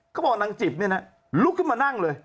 เขาบอกนางจิบเนี่ยนะลุกขึ้นมานั่งเลย